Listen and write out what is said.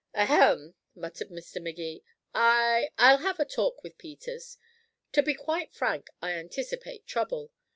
"Ahem," muttered Mr. Magee, "I I'll have a talk with Peters. To be quite frank, I anticipate trouble.